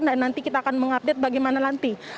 dan nanti kita akan mengupdate bagaimana nanti